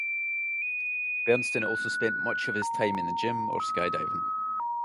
Berntsen also spent much of his time in the gym or skydiving.